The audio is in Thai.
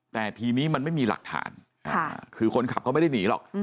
แต่ทีนี้มันไม่มีหลักฐานคือคนขับเขาไม่ได้หนีหรอก